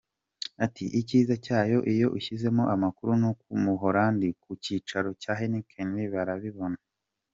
Ati “icyiza cyayo iyo ushyizemo amakuru no mu buholandi ku cyicaro cya Heineken barabibona.